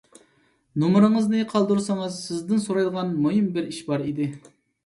نومۇرىڭىزنى قالدۇرسىڭىز، سىزدىن سورايدىغان مۇھىم بىر ئىش بار ئىدى.